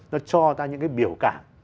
nó cho ta những cái biểu cảm